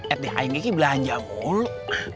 etik ayang kiki belanja mulu